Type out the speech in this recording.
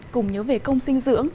cùng nhớ về công sinh dưỡng